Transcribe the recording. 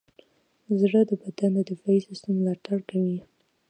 زړه د بدن د دفاعي سیستم ملاتړ کوي.